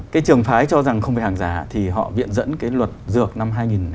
cái trường phái cho rằng không phải hàng giả thì họ viện dẫn cái luật dược năm hai nghìn năm